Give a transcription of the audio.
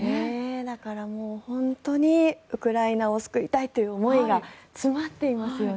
だからもう本当にウクライナを救いたいという思いが詰まっていますよね。